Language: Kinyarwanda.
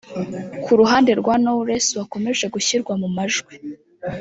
Ku ruhande rwa Knowless wakomeje gushyirwa mu majwi